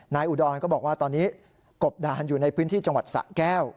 อุดรก็บอกว่าตอนนี้กบดานอยู่ในพื้นที่จังหวัดสะแก้ว